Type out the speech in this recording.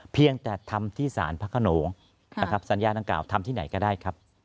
เพียงแต่ทำที่สารพระขนงนะครับสัญญาดังกล่าวทำที่ไหนก็ได้ครับ